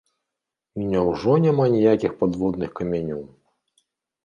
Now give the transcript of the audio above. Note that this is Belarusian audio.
І няўжо няма ніякіх падводных камянёў?